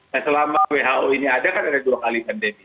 nah selama who ini ada kan ada dua kali pandemi